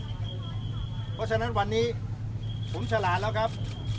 เพราะฉะนั้นวันนี้ผมฉลาดแล้วครับ